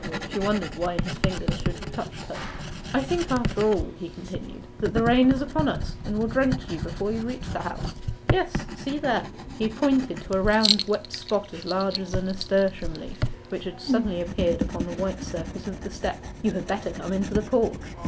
She wondered why his fingers should have touched her. 'I think after all,' he continued, 'that the rain is upon us, and will drench you before you reach the House. Yes: see there.' He pointed to a round wet spot as large as a nasturtium leaf, which had suddenly appeared upon the white surface of the step. 'You had better come into the porch.